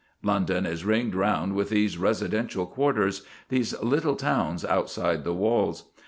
London is ringed round with these residential quarters, these little towns outside the walls.